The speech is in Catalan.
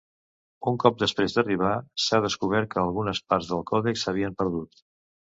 Un cop després d'arribar, s'ha descobert que algunes parts del còdex s'havien perdut.